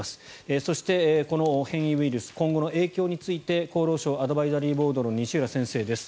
そして、この変異ウイルス今後の影響について厚労省アドバイザリーボードの西浦先生です。